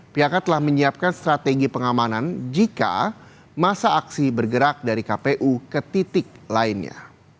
pihaknya telah menyiapkan strategi pengamanan jika masa aksi bergerak dari kpu ke titik lainnya